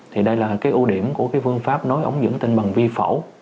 thì đây là cái ưu điểm của cái phương pháp nối ống dẫn tinh bằng vi phẫu